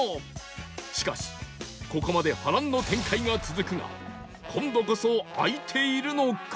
しかしここまで波乱の展開が続くが今度こそ開いているのか？